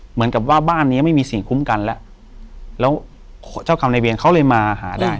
เหมือนกับว่าบ้านเนี้ยไม่มีสิ่งคุ้มกันแล้วแล้วเจ้ากรรมในเวรเขาเลยมาหาได้